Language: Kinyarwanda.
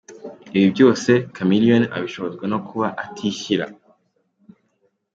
Ibi byose, Chameleone abishobozwa no kuba atishyira.